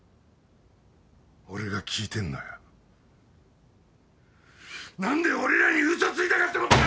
俺が聞いてんのは何で俺らに嘘ついたかってことだ！